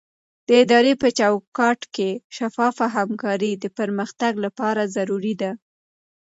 د ادارې په چوکاټ کې شفافه همکاري د پرمختګ لپاره ضروري ده.